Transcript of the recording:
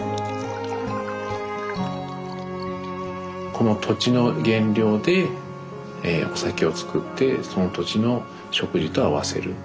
この土地の原料でお酒を造ってその土地の食事と合わせる。